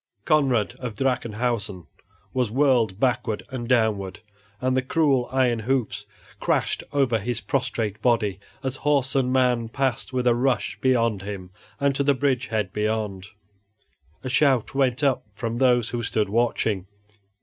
Conrad of Drachenhausen was whirled backward and downward, and the cruel iron hoofs crashed over his prostrate body, as horse and man passed with a rush beyond him and to the bridge head beyond. A shout went up from those who stood watching.